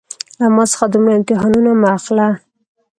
له ما څخه دومره امتحانونه مه اخله